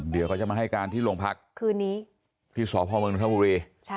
เดี๋ยวเขาจะมาให้การที่โรงพักษณ์คืนนี้พี่สพนใช่